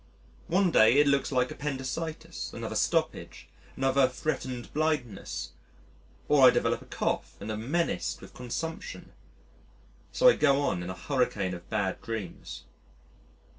One day it looks like appendicitis, another stoppage, another threatened blindness, or I develop a cough and am menaced with consumption. So I go on in a hurricane of bad dreams.